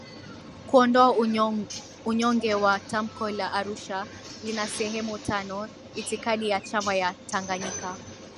kuondoa unyonge waoTamko la Arusha lina sehemu tano Itikadi ya chama cha Tanganyika